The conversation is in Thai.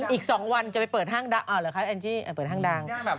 อีก๒วันจะไปเปิดห้างดังเหรอคะแอนจี้เปิดห้างดัง